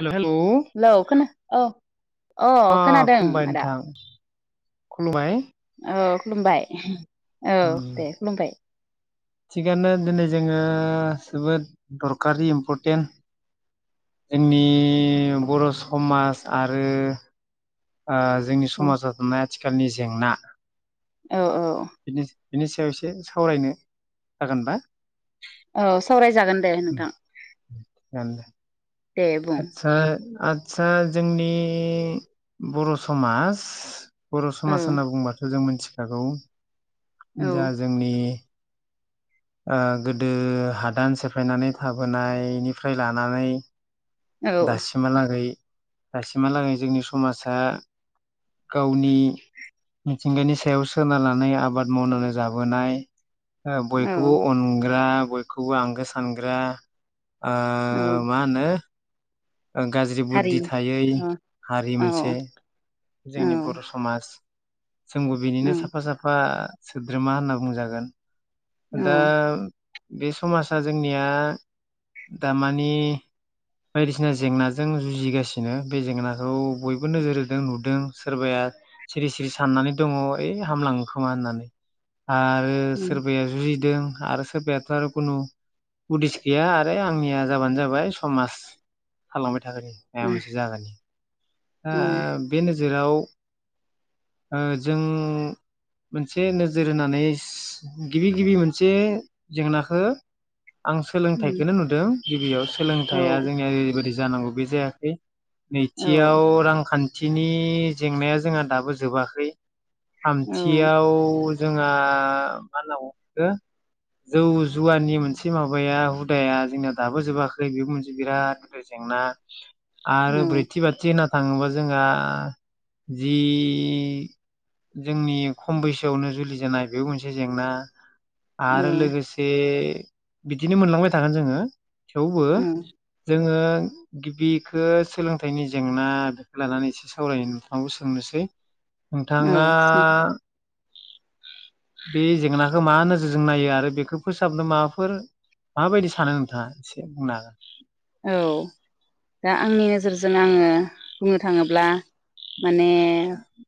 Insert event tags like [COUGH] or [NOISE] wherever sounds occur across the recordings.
हेल' हेल' hello खोना औ अ खोनादों खुलुमबाय आदा नोंथां खुलुमबाय औ खुलुमबाय औ उम दे खुलुमबाय थिगानो दिनै जोङो जोबोद दरखारि इम्परटेन्ट जोंनि बर' समाज आरो आ जोंनि समाजाव थानाय थिखालनि जेंना औ औ बिनि बिनि सायाव एसे सावरायनो जागोनबा औ सावरायजागोन दे नोंथां। [UNINTELLIGIBLE] दे बुं आतसा आदसा जोंनि बर' समाज बर' औ समास होनना बुंङोबाथ' जों मोनथि जागौ औ जा जोंनि ओ गोदो हादान सेफायनानै थाबोनायनिफ्राय लानानै औ दासिमहालागै दासिमहालागै जोंनि समाजा गावनि मिथिंगानि सायाव सोनारनानै आबाद मावनानै जाबोनाय ओ बय औ खौबो अनग्रा बयखौबो आंगो सानग्रा ओ औ मा होनो गाज्रि हारि बुद्धि थायै अ हारि औ मोनसे औ जोंनि बर' समाज जोंबो बिनिनो साफा साफा सोद्रोमा होनना बुंजागोन दा औ बे समाजा जोंनिया दामानि बायदिसिना जेंनाजों जुजिगासिनो बे जेंनाखौ बयबो नोजोर होदों नुदों सोरबाया सिरि सिरि साननानै दङ ओइ हामलाङो खोमा होननानै आरो उम सोरबाया जुजिदों आरो सोरबायाथ' आरो खुनु उदिस गैया आरो आंनिया जाबानो जाबाय समाज थांबाय उम था [UNINTELLIGIBLE] ओ उम बेनो जेराव ओ जों मोनसे नोजोर होनानै गिबि गिबि मोनसे जेंनाखौ आं उम सोलोंथाइखौनो नुदों गिबियाव औ सोलोंथाया जोंनिया ओरैबायदि जानांगौ बे जायाखै औ बेयाव रांखान थिनि जेंनाया जोंहा दाबो जोबाखै थामथियाव जोंहा मा होनना बुङो बेखौ जौ जुवानि मोनसे माबाया हुदाया जोंना दाबो जोबाखै बेबो मोनसे बिराद गिदिर जेंना आरो औ ब्रै थि थाङोबा जोंहा जि जोंनि खम बैसोआवनो जुलि जानाय बेबो मोनसे जेंना आरो लोगोसे बिदिनो मोनलांबाय थागोन जोङो थेवबो जोङो गिबिखो सोलोंथ यनि जेंना बेखौ लानानै एसे सावनो नोंथांखौ सोंनोसै नोंथाङा औ बे जेंनाखौ मा नोजोरजों नायो आरो बेखौ फोसाबनो माबाफोर माबायदि सानो नोंथाङा एसे बुंनो हा औ दा आंनि नोजोरजों आङो बुंनो थाङोब्ला माने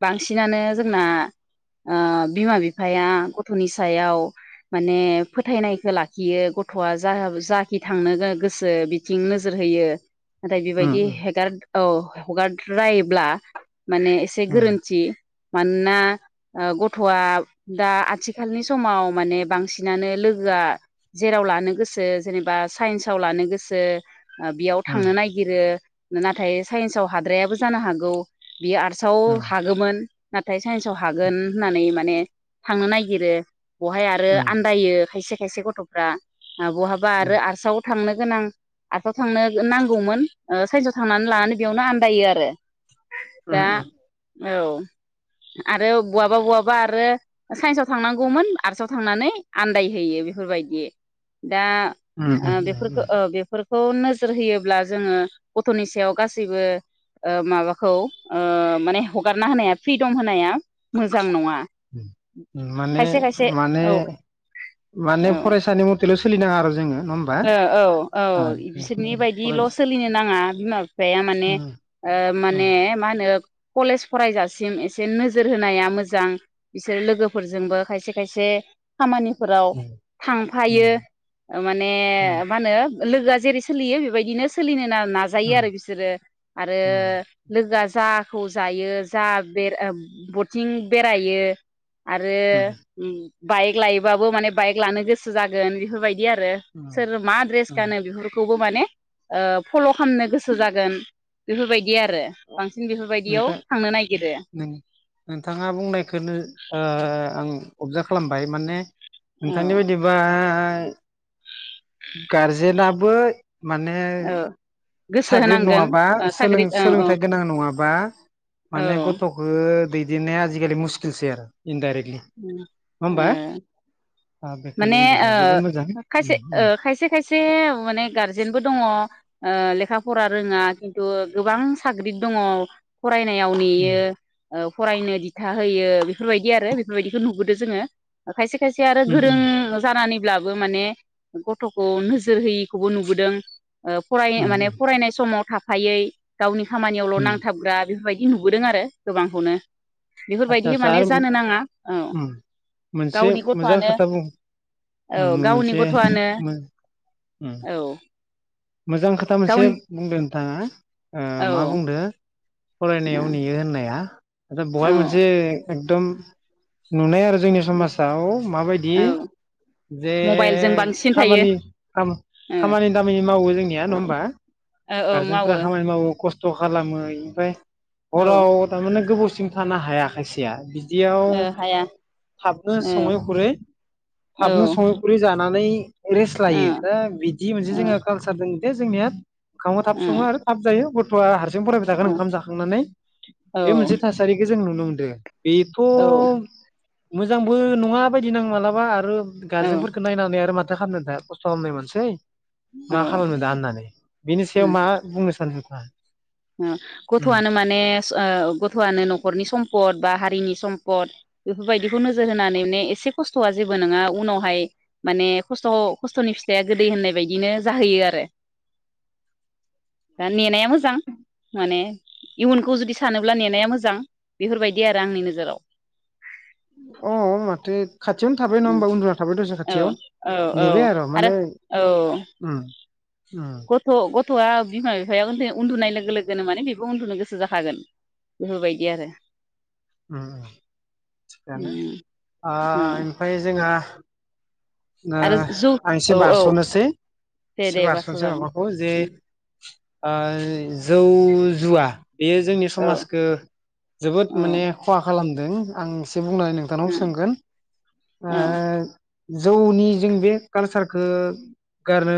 बांसिनानो जोंना ओ बिमा बिफाया गथ'नि सायाव माने फोथायनायखौ लाखियो गथ'आ जा जाखि थांनो गोसो बिथिं नोजोर होयो नाथाय उम बेबायदि हेगार औ हगारद्रायोब्ला माने एसे उम गोरोन्थि मानोना गथ'आ ओ दा आथिखालनि समाव माने बांसिनानो लोगोआ जेराव लानो गोसो जेनेबा साइन्साव लानो गोसो [INAUDIBLE] बेयाव उम थांनो नागिरो नाथाय साइन्सआव हाद्रायाबो जानो हागौ बे आर्टसआव उम हागौमोन नाथाय साइन्सआव हागोन होननानै माने थांनो नागिरो बहाय आरो उम आन्दायो खायसे खायसे गथ'फ्रा बहाबा उम आरो आरसाव थांनो गोनां आरसाव थांनो नांगौमोन साइसाव थांनानै लानानै बेयावनो आन्दायो आरो उम दा औ आरो बहाबा बहाबा आरो साइन्सआव थांनांगौमोन आर्टसआव थांनानै आन्दायहोयो बेफोरबायदि दा उम ओ बेफोरखौ उम ओ बेफोर खौ नोजोर होयोब्ला जोङो गथ'नि सायाव गासैबो माबाखौ ओ माने हगारना होनाया फ्रिदम होनाया मोजां नङा माने खायसे खायसे माने औ माने फरायसानि मथेल सलिनो नाङा आरो जोङो नङा होमबा औ औ औ इसोरनि बायदिल फरायसा सोलिनो नाङा बिमा बेहा माने उम माने उम मा होनो कलेज फरायजासिम एसे नोजोर होनाया मोजां बिसोर लोगोफोरजोंबो खायसे खायसे खामानिफोराव थांफायो उम [UNINTELLIGIBLE] मा उम होनो लोगोआ जेरै सोलियो बेबायदिनो सोलिनो ना‍ नाजायो आरो बिसोरो आरो लोगोआ जा जाखौ जायो जा बे बथिं बेरायो आरो उम बाइक लायोबाबो माने बाइक लानो गोसो जागोन बेफोरबायदि आरो उम सोर मा दड्रेस उम गानो बेफोरखौ बो माने फल' खालामनो गोसो जागोन बेफोरबायदि आरो बेफोरबायदियाव थांनो नागिरो नोंथां नोंथाङा बुंनायखौनो आं अबजार्भ खालामबाय माने औ नोंथांनि बायदिब्ला गारजेनाबो माने औ गोसो साग्रिद होनांगोन नङाबा ओ सोलों साख्रि औ औ सोलोंथाइ गोनां नङा बा माने औ गथ'खौ दै देननाया आजिखालि मुस्किलसै आरो इनडाइरेक्टलि नङा ओ होमबा ओ बेखौनो माने बुंदों सार जोबोद मोजां ओ खायसे उम ओ उम उम खायसे खायसे माने गारजेनबो दङ ओ लेखा फरा रोङा खिन्थु गोबां साग्रिद दङ फरायनायाव नेयो फरायनो दिथा होयो बेफोरबायदि आरो बेफोरबायदिखौ नुबोदों जोङो खायसे खायसे आरो उम गोरों उम जानानै ब्लाबो माने गथ'खौ नोजोर होयिखौबो नुबोदों ओ फराय माने उम फरायनाय समाव थाफ फायै गावनि खामानियावल' उम नांथाबग्रा बेफोरबायदि नुबोदों आरो गोबांखौनो बेफोरबायदिहै माने जानो नाङा उम मोनसे गावनि मोजां गथ'आनो खोथा बुं औ उम गावनि मोनसे गथ'आनो औ [UNINTELLIGIBLE] मोजां खोथा मोनसे गावनि बुंदों थाङा ओ औ मा बुंदो फरायनायाव नेयो होननाया [UNINTELLIGIBLE] औ बहाय मोनसे एकदम नुनाय आरो जोंनि समाजाव माबायदि औ जे मबाइलजों बांसिन थायो खामानि खाम ओ खामानि दामानि मावो जोंनिया नङा होमबा ओ औ गारजेनफोरा मावो खामानि मावो खस्थ थ' खालामो ओमफ्राय औ हराव थांनानै गोबाव सिम थानो हाया खायसेया बि दियाव ओ हाया थाबनो ओ सङै खुरै औ ओ थाबनो सङै खुरै जानानै रेस्ट ओ लायो दा बिदि मोनसे ओ जोंहा कालसार दों दे जोंनिया ओंखामा थाब सङो आरो थाब जायो [UNINTELLIGIBLE] जों फरायबाय थागोन ओंखाम जाखांनानै ओ बे मोनसे थासारि गोस जों नुनो मोनदो बेथ' औ मोजांबो नङा बायदि नांङो मालाबा आरो औ गार्जेनफोरखौ नायनानै आरो माथ थो खामनो दा खस्थ खालामनाय मानसै मा औ खालामनो दा होननानै बेनि सायाव उम मा बुंनो सा नोंथाङा ओ उम गथ'आनो माने गथ'आनो न'खरनि सम्पद बा हारिनि सम्पद बेफोरबायदिखौ नोजोर होनानै ने एसे खस्थ'आ जेबो नङा उनावहाय माने खस्थ' खस्थ'नि फिथाइया गोदै होननाय बायदिनो जाहैयो आरो। दा नेनाया मोजां माने इयुनखौ जुदि सानोब्ला नेनाया मोजां बेफोरबायदि आरो आंनि नोजोराव। अ माथो खाथियावनो थाबाय नङा उम होमब उन्दुना थाबाय दसे औ खाथियाव औ औ नेबाय आरो माने औ उम उम गथ' गथ'आ बिमा बिफाया उन्दुनाय लोगो लोगोनो माने बेबो उन्दुनो गोसो जाखागोन बेफोरबायदि आरो। उम थिगानो उम आ औ ओमफ्राय जोंहा ओ आरो जौ आं एसे औ औ बारस'नोसै दे एसे दे बास' बारस'नसै जागोन माबाखौ जे उम ओइ जौ जुवा बेयो जोंनि औ समाजखो जोबोद औ माने खालामदों आं एसे बुंनानै नोंथांनाव उम सोंगोन ओ औ जौनि जों बे कालसारखो गारनो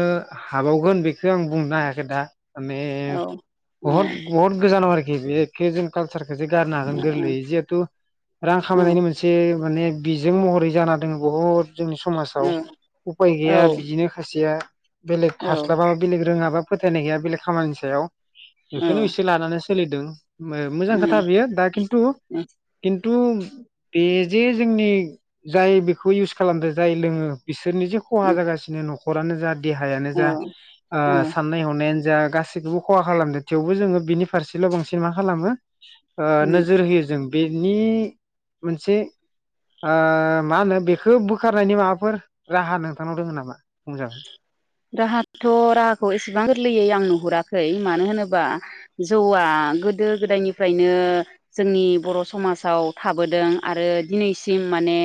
हाबावगोन बेखो आं बुंनो हायाखै दा। माने औ ओ बहत बहत गोजानाव आरो खि बे एखे जों कालसार खो जे गारनो हागोन गोरलै जिहेथु रां ओ खामनायनि मोनसे बे माने बिजों महरै जाना दों बहत जोंनि समाजाव उफाय गैया बिदिनो खायसेया बेलेग औ हास्लाबाबा बेलेग रोङाबा फोथायनाय गैया बेलेग खामानि सायाव औ बेखोनो एसे लानानै सोलिदों मो मोजां उम खोथा बेयो दा खिन्थु उम खिनथु बे जे जोंनि जाय बेखौ इउस खालामदो जाय लोङो बिस सोरनि जे खहा उम जागासिनो न' नखरानो जा देहायानो औ जा ओ औ साननाय हनाया जा गासैखौबो खहा खालामदो थेवबो जोङो बिनि फारसेल' बांसिन मा खालामो ओ उम नोजोर होयो जों। बेनि मोनसे ओ मा होनो बेखौ बोखारनायनि माबाफोर राहा नोंथांनाव दङ नामा मोजां? राहाथ राहाखौ एसेबां गोरलैयै आं नुहुरा खै मानो होनोबा जौवा गोदो गोदायनिफ्रायनो जोंनि बर' समाजाव थाबोदों आरो दिनैसिम माने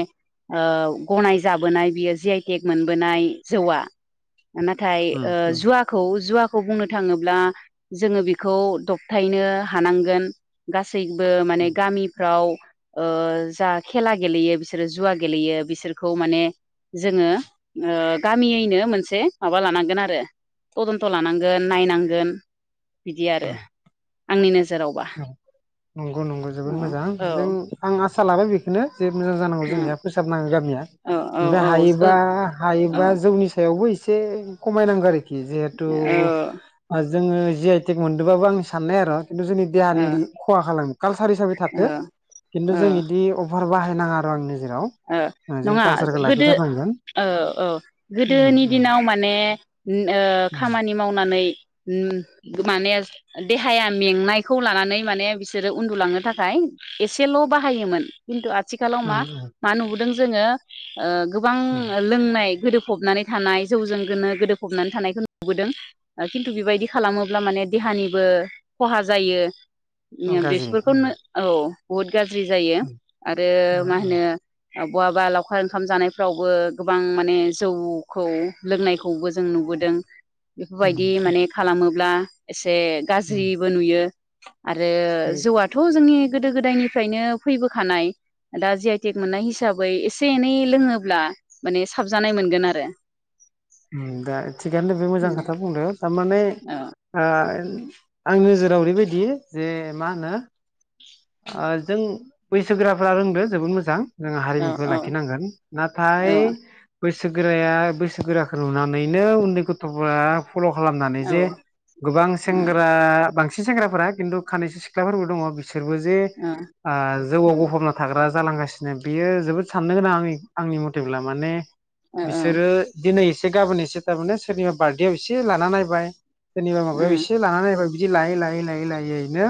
गनाय जाबोनाय बियो जि आइटेक मोनबोनाय जौवा नाथाय उम ओ उम जुवाखौ जुवाखौ बुंनो थाङोब्ला जोङो बेखौ दबथायनो हानांगोन गास गासैबो माने गामिफ्राव ओ जा खेला गेलेयो बिसोरो जुवा गेलेयो बिसोरखौ माने जोङो ओ गामियैनो मोनसे माबा लानांगोन आरो थदन्थ लानांगोन नायनांगोन। बिदि आरो उम आंनिनो नंगौ नंगौ जोबोद औ मोजां औ जों आं आसा लाबाय बेखौ [UNINTELLIGIBLE] जे मोजां जानांगौ औ जोंनिया फोसाबनाांगौ गामिया औ औ ओमफ्राय औ ओ हायोबा हायोबा जौनि सायावबो ए एसे खमायनांगौ आरो जिहेतु ओ जोङो जि आइ टेक मोनदोंबाबो आंनि साननाय आरो खिनथु जोंनि ओ देहानि खहा खालामो। कालसार हिसाबै थाथो खिन्थु ओ जों इदि फोर बाहायनाङा आरो आंनि नोजोराव ओ जों नङा कालसारखौ गोदो लाखिथारनांगोन औ औ उम गोदोनि दिनाव उम माने खामानि मावनानै माने देहाया मेंनायखौ लानानै माने बिसोरो उन्दुलांनो थाखाय एसेल बाहायोमोन। खिन्थु आ आथिखालाव उम मा मा नुबोदों जोङो ओ गोबां उम लोंनाय गोदोफबनानै थानाय जौजों गोनो गोदोफबनानै थानायखौ नुबोदों। खिन्थु बेबायदि खालामोब्ला माने देहानिबो खहा जायो। अ गाज्रि उम बेफोरखौनो औ [UNINTELLIGIBLE] गाज्रि जायो उम आरो उम मा होनो बहाबा लावखार ओंखाम जानायफ्रावबो गोबां माने जौखौ लोंनायखौबो जों नुबोदों। उम बेफोरबायदि माने खालामो। ब्ला एसे उम गाज्रिबो नुयो। आरो उम जौआथ' जोंनि गोदो गोदायनिफ्रायनो फैबोखानाय दा जि आइ टेक मोननाय हिसाबै एसे एनै लोङोब्ला माने साबजानाय मोनगोन आरो दा थिगानो दोङो बे मोजां खोथा बुंदो थामाने औ आ [INAUDIBLE] आंनि नोजोराव ओरैबायदि जे मा होनो जों बैसो गोराफ्रा रोंदो जोबोद मोजां जोङो औ हारिमुखौ लाखिनांगोन औ नाथाय बैसो गोराया बैसोगोराखौ नुनानैनो उन्दै गथ'फोरा फल' खालामनानै औ जे गोबां औ सेंग्रा बांसिन नैसो सेंग्राफोरा खिन्थु खानैसो सिख्लाफोरबो दङ बिस बिसोरबो जे औ ओ जौवाव गफबना थाग्रा जालांगासिनो बियो जोबोद साननो गोनां आं आंनि मथेब्ला माने बिसोरो दिनै एसे एसे गाबोन एसे थारमाने सोरनिबा बार्थडेआव एसे लाना नायबाय सोरनिबा माबायाव एसे लाना नायबाय बिदि लायै लायै लायै लायैनो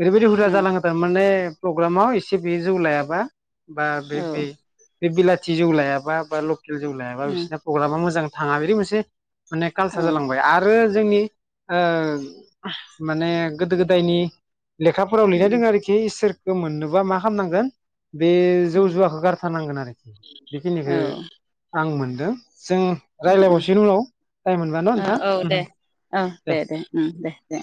ओरै बादि जालाङो थारमाने प्रग्रामाव एसे बेयो जौ लायाबा बा बि औ बि बे बिलाथि जौ लायाबा बा लखेल जौ लायाबा औ बिसोरना प्रग्रामा मोजां थाङा [UNINTELLIGIBLE] मोनसे माने कालसार औ जालांबाय आरो जोंनि ओ माने गोदो गोदायनि लेखा फोराव लिरनाय उम दङ आरोखि इसोर खौ मोननोबा मा खालामनांगोन बे जौ उम जुवाखौ गारथारनांगोन आरोखि औ बेखिनिखौ आं मोन दों [UNINTELLIGIBLE] मोनबा न' ओ नोंथां औ दे औ दे दे उम दे दे